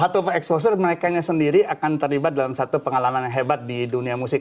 satu exposure merekanya sendiri akan terlibat dalam satu pengalaman yang hebat di dunia musik